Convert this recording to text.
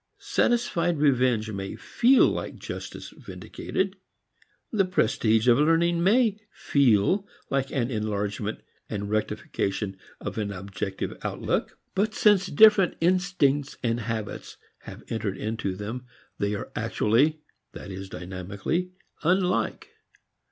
Satisfied revenge may feel like justice vindicated; the prestige of learning may feel like an enlargement and rectification of an objective outlook. But since different instincts and habits have entered into them, they are actually, that is dynamically, unlike.